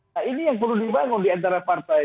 nah ini yang perlu dibangun diantara partai